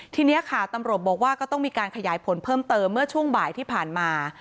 ทีนี้ค่ะตำรวจบอกว่าก็ต้องมีการขยายผลเพิ่มเติมเมื่อช่วงบ่ายที่ผ่านมา